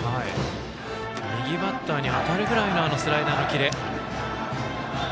右バッターに当たるぐらいのスライダーのキレ。